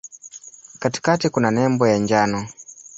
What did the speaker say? Katikati kuna nembo ya njano.